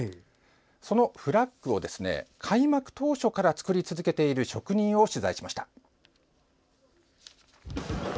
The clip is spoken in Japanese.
そのフラッグを開幕当初から作り続けている職人を取材しました。